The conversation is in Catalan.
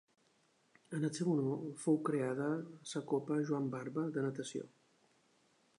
En el seu honor fou creada la Copa Joan Barba de natació.